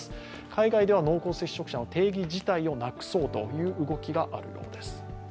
海外では濃厚接触者の定義自体をなくそうという動きがあるようです。